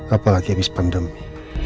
apalagi abis pandemi